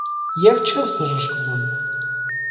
- Եվ չես բժշկվում: